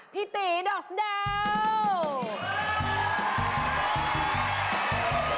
พี่ตีดอกส์เดล